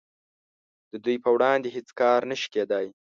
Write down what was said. د دوی په وړاندې هیڅ کار نشي کیدای